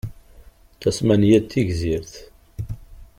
Tasmanya d tigzrit.